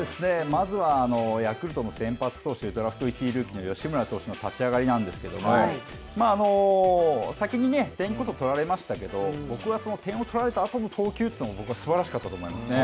まずは、ヤクルトの先発投手でドラフト１位ルーキーの吉村投手の立ち上がりなんですけれども、まあ、先に点こそ取られましたけど、僕はこの点を取られたあとの投球というのも僕はすばらしかったと思いますね。